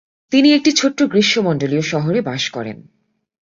তিনি একটি ছোট গ্রীষ্মমন্ডলীয় শহরে বাস করেন।